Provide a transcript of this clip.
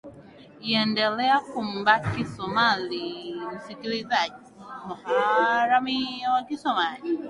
iendelea kumbaki somali msikilizaji maharamia wa kisomali